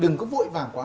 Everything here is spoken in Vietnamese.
đừng có vội vàng quá